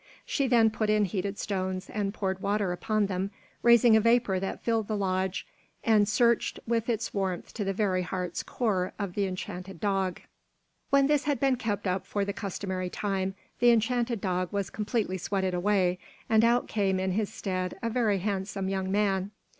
She then put in heated stones and poured water upon them, raising a vapor that filled the lodge and searched with its warmth to the very heart's core of the enchanted dog. When this had been kept up for the customary time, the enchanted dog was completely sweated away, and out came in his stead a very handsome young man.